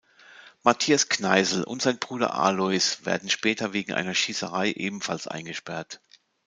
Mathias Kneißl und sein Bruder Alois werden später wegen einer Schießerei ebenfalls eingesperrt.